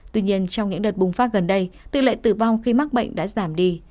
tuy nhiên trong những đợt bùng phát gần đây tỷ lệ tử vong khi mắc bệnh đã giảm đi